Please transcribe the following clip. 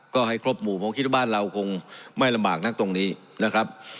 ก็ให้ครบหมู่ผมคิดว่าบ้านเราคงไม่ลำบากนักตรงนี้นะครับ